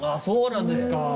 そうなんですか！